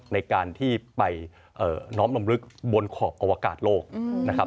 ในการที่ไปน้อมรำลึกบนขอบอวกาศโลกนะครับ